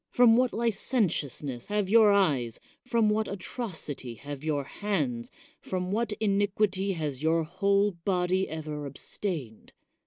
From what licentiousness have your eyes, from what atrocity have your hands, from what inquity has your whole body ever abstained